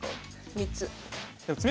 ３つ。